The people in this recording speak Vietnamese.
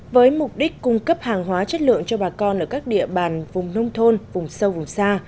với mục đích cung cấp hàng hóa chất lượng cho bà con ở các địa bàn vùng nông thôn vùng sâu vùng xa